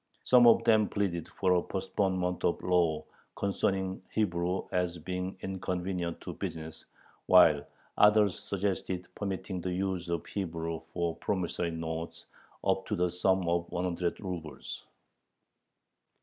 Some of them pleaded for a postponement of the law concerning Hebrew as being inconvenient to business, while others suggested permitting the use of Hebrew for promissory notes up to the sum of one hundred rubels.